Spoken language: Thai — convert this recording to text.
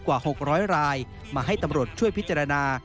กว่า๖๐๐รายมาให้ตำรวจช่วยพิจารณา